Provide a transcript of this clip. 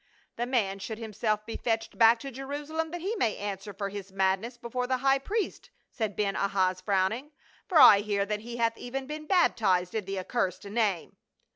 31 " The man should himself he fetched back to Jeru salem that he may answer for his madness before the high priest," said Ben Ahaz frowning, "for I hear that he hath even been baptized in the accursed name."